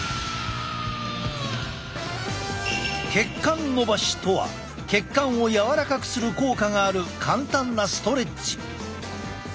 血管のばしとは血管を柔らかくする効果がある簡単なストレッチ。